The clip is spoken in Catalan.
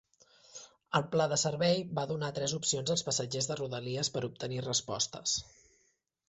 El pla de servei va donar tres opcions als passatgers de rodalies per obtenir respostes.